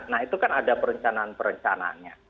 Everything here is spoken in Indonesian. nah itu kan ada perencanaan perencanaannya